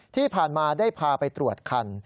ที่ผ่านมาได้พาไปตรวจคัน